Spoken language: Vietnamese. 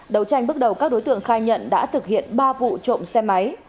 đầu tranh bước đầu các đối tượng khai nhận đã thực hiện ba vụ trộm xe máy